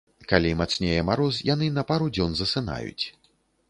Калі мацнее мароз, яны на пару дзён засынаюць.